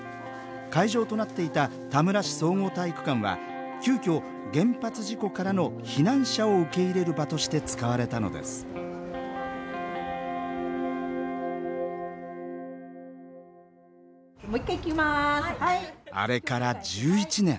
会場となっていた田村市総合体育館は急きょ原発事故からの避難者を受け入れる場として使われたのですもう一回いきます。